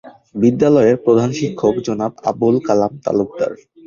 বিদ্যালয়ের প্রধান শিক্ষক জনাব আবুল কালাম তালুকদার।